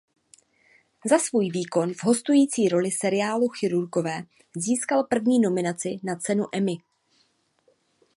Za svůj výkon v hostující roli seriálu "Chirurgové" získal první nominaci na cenu Emmy.